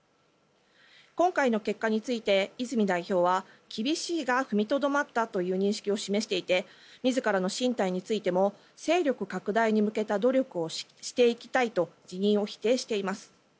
今回の結果について泉代表は厳しいが踏みとどまったという認識を示していて自らの進退についても勢力拡大に向けた努力をしていきたいと辞任を否定しています。